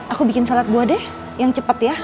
aku bikin salad buah deh yang cepat ya